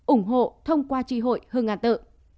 ủng hộ thông qua tri hội hưng an tự